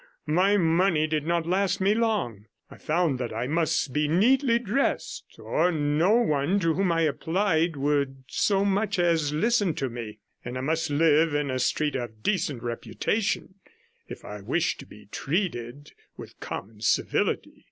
My money did not last me long; I found that I must be neatly dressed, or no one to whom I applied would so much as listen to me; and I must live in a street of decent reputation if I wished to be treated with common civility.